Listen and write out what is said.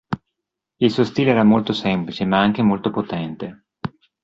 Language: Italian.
Il suo stile era molto semplice, ma anche molto potente.